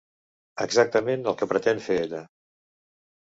Exactament el que pretén fer ella.